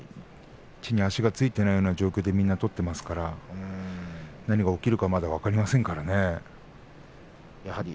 地に足がついていないような状況で取っていますから何が起こるか分からないですね。